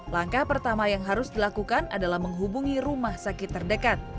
langkah pertama yang harus dilakukan adalah menghubungi rumah sakit terdekat